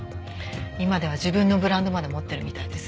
今では自分のブランドまで持ってるみたいです。